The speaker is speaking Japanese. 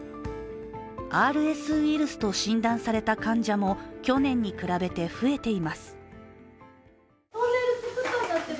ＲＳウイルスと診断された患者も去年に比べて増えています。